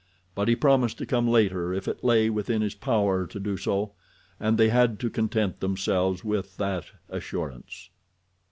But he promised to come later if it lay within his power to do so, and they had to content themselves with that assurance.